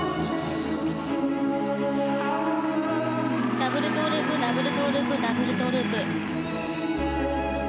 ダブルトウループダブルトウループダブルトウループ。